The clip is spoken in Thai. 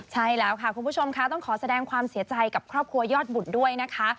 ใช่แล้วค่ะคุณผู้ชมค่ะต้องขอแสดงความเสียใจกับครอบครัวยอดบุตรด้วยนะคะ